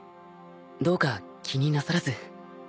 どうか気になさらず。